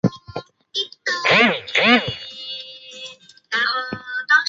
早年在电视动画的黎明时期投入动画业界。